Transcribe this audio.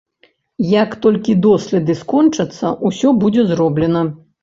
Як толькі доследы скончацца, усё будзе зроблена.